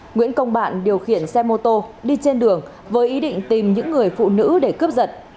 nguyễn công bạn điều khiển xe mô tô đi trên đường với ý định tìm những người phụ nữ để cướp giật